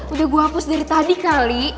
udah gue hapus dari tadi kali